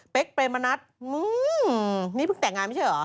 เป็นเปรมนัดนี่เพิ่งแต่งงานไม่ใช่เหรอ